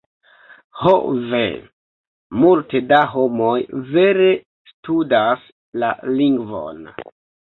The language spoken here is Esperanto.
Ho ve, multe da homoj vere studas la lingvon.